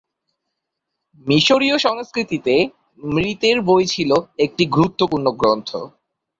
মিশরীয় সংস্কৃতিতে মৃতের বই ছিল একটি গুরুত্বপূর্ণ গ্রন্থ।